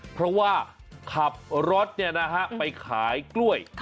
เพราะว่าขับรถไปขายกล้วย